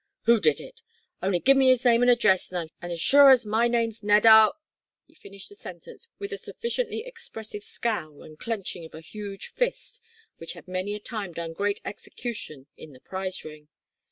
"Who did it? On'y give me his name an' address, an' as sure as my name's Ned I'll " He finished the sentence with a sufficiently expressive scowl and clenching of a huge fist, which had many a time done great execution in the prize ring.